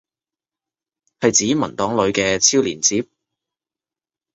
係指文檔裏嘅超連接？